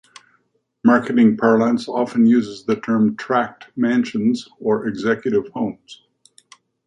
Marketing parlance often uses the term "tract mansions" or executive homes.